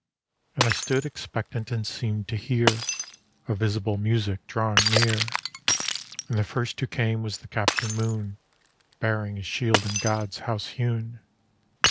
And I stood expectant and seemed to hear A visible music drawing near. And the first who came was the Captain Moon Bearing a shield in God's House hewn.